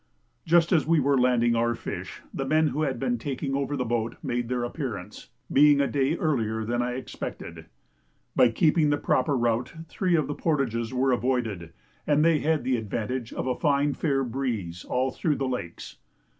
Just as we were landing our fish, the men who had been taking over the boat made their appearance, being a day earlier than I expected. By keeping the proper route three of the portages were avoided, and they had the advantage of a fine fair breeze all through the lakes.